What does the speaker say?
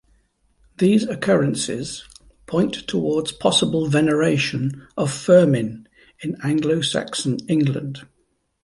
These occurrences point towards possible veneration of Firmin in Anglo-Saxon England.